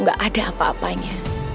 gak ada apa apanya